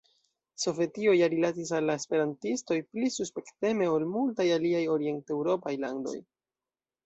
Sovetio ja rilatis al la esperantistoj pli suspekteme ol multaj aliaj orienteŭropaj landoj.